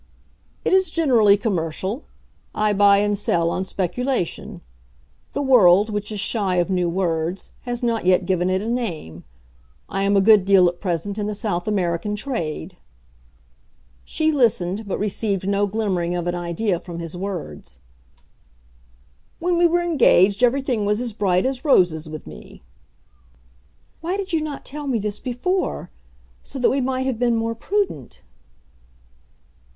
"It is generally commercial. I buy and sell on speculation. The world, which is shy of new words, has not yet given it a name. I am a good deal at present in the South American trade." She listened, but received no glimmering of an idea from his words. "When we were engaged everything was as bright as roses with me." "Why did you not tell me this before, so that we might have been more prudent?"